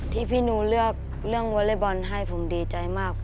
ที่พี่นูเลือกเรื่องวอเล็กบอลให้ผมดีใจมาก